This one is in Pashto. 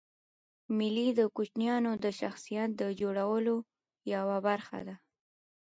مېلې د کوچنيانو د شخصیت د جوړولو یوه برخه ده.